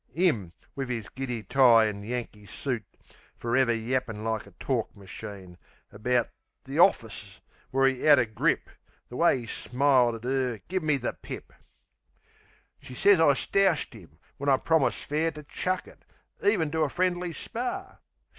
'Im, wiv 'is giddy tie an' Yankee soot, Ferever yappin' like a tork machine About "The Hoffis" where 'e 'ad a grip.... The way 'e smiled at 'er give me the pip! She sez I stoushed 'im, when I promised fair To chuck it, even to a friendly spar.